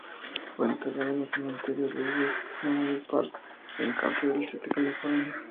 Fue enterrado en el Cementerio Desert Memorial Park de Cathedral City, California.